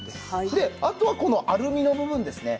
であとはこのアルミの部分ですね